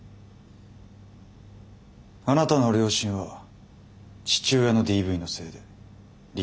あなたの両親は父親のＤＶのせいで離婚されている。